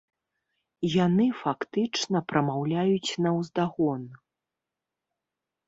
Яны фактычна прамаўляюць наўздагон.